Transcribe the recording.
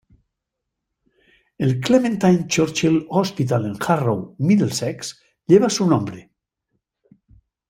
El Clementine Churchill Hospital en Harrow, Middlesex lleva su nombre.